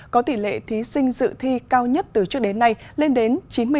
có tỷ lệ thí sinh dự thi cao nhất từ trước đến nay lên đến chín mươi tám hai